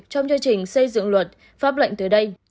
trong chương trình xây dựng luật pháp lệnh tới đây